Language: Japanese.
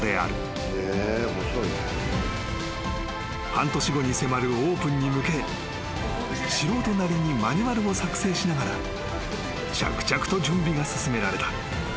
［半年後に迫るオープンに向け素人なりにマニュアルを作成しながら着々と準備が進められた］